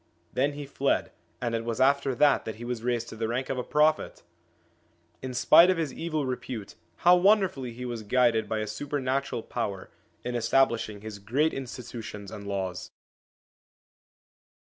Then he fled, and it was after that that he was raised to the rank of a Prophet ! In spite of his evil repute, how wonderfully he was guided by a supernatural power in establishing his great institutions and laws